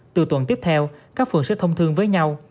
từ tuần tiếp theo các phường sẽ thông thương với nhau